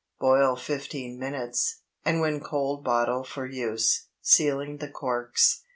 Boil fifteen minutes, and when cold bottle for use, sealing the corks.